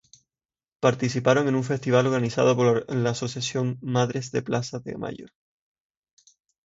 Participaron en un festival organizado por la Asociación Madres de Plaza de Mayo.